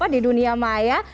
di dunia maya